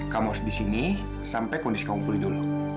kamu harus di sini sampai kondisi kamu pulih dulu